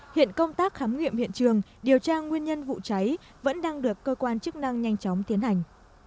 hiện công tác khám nghiệm hiện trường điều tra nguyên nhân vụ cháy vẫn đang được cơ quan chức năng nhanh chóng tiến hành